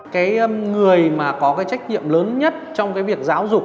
cái người mà có cái trách nhiệm lớn nhất trong cái việc giáo dục